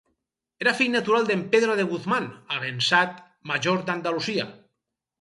Era fill natural d'En Pedro de Guzmán, avençat major d'Andalusia.